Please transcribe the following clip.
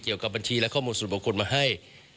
เกี่ยวกับบัญชีและข้อมูลสูตรบุคคลมาให้